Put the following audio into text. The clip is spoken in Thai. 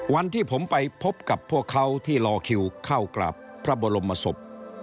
วันที่ผมไปพบกับพวกเขาที่รอคิวเข้ากราบพระบรมศพ